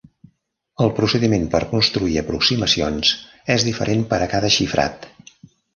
El procediment per construir aproximacions és diferent per a cada xifrat.